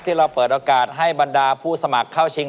เราเปิดโอกาสให้บรรดาผู้สมัครเข้าชิง